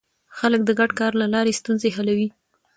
خلک د ګډ کار له لارې ستونزې حلوي